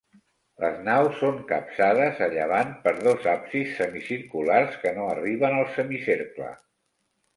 Les naus són capçades a llevant per dos absis semicirculars que no arriben al semicercle.